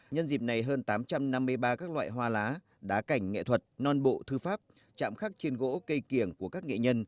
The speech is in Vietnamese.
nhân dịp này hơn tám trăm năm mươi ba các loại hoa lá đá cảnh nghệ thuật non bộ thư pháp chạm khắc trên gỗ cây kiểng của các nghệ nhân